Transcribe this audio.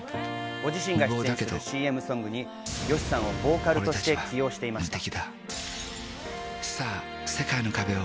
ご自身が出演するＣＭソングにＹＯＳＨＩさんをボーカルとして起用していました。